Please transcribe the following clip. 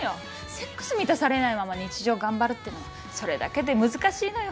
セックス満たされないまま日常を頑張るっていうのはそれだけで難しいのよ